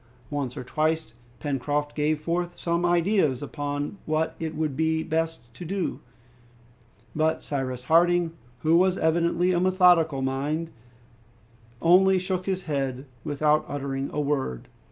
Once or twice Pencroft gave forth some ideas upon what it would be best to do; but Cyrus Harding, who was evidently of a methodical mind, only shook his head without uttering a word.